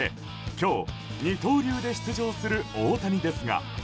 今日、二刀流で出場する大谷ですが。